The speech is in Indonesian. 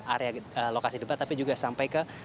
area lokasi debat tapi juga sampai ke